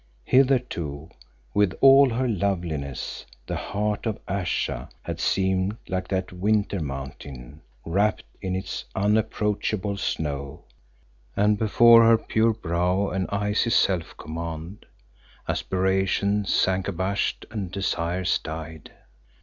Hitherto, with all her loveliness, the heart of Ayesha had seemed like that winter mountain wrapped in its unapproachable snow and before her pure brow and icy self command, aspirations sank abashed and desires died.